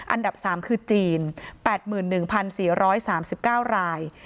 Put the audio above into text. อันดับสามคือจีนแปดหมื่นหนึ่งพันสี่ร้อยสามสิบเก้าราย